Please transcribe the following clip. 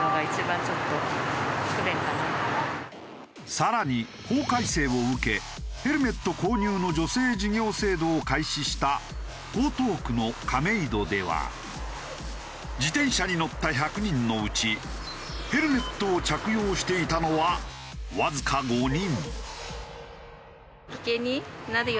更に法改正を受けヘルメット購入の助成事業制度を開始した江東区の亀戸では自転車に乗った１００人のうちヘルメットを着用していたのはわずか５人。